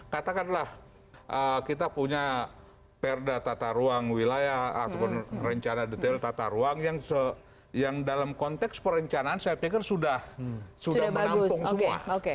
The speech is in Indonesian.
katakanlah kita punya perda tata ruang wilayah ataupun rencana detail tata ruang yang dalam konteks perencanaan saya pikir sudah menampung semua